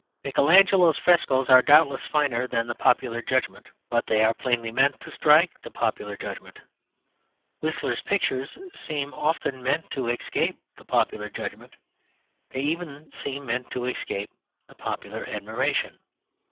Michelangelo's frescoes are doubtless finer than the popular judgment, but they are plainly meant to strike the popular judgment. Whistler's pictures seem often meant to escape the popular judgment; they even seem meant to escape the popular admiration.